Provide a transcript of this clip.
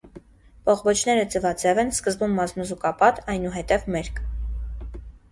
Բողբոջները ձվաձև են, սկզբում մազմզուկապատ, այնուհետև մերկ։